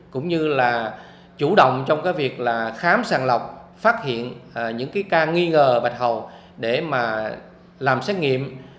cũng như là chủ động trong việc khám sàng lọc phát hiện những ca nghi ngờ bạch hầu để làm xét nghiệm